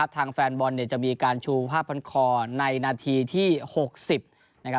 ทางแฟนบอลจะมีการชูภาพพันคอในนาทีที่๖๐